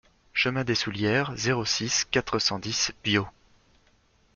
Chemin des Soullieres, zéro six, quatre cent dix Biot